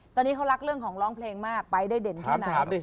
ตอนนี้เขารักเรื่องของร้องเพลงมากไปได้เด่นแค่ไหน